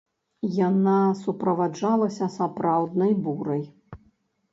Яна суправаджалася сапраўднай бурай.